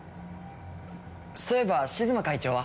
そういえばシズマ会長は？